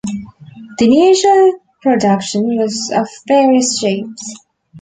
The initial production was of various Jeeps.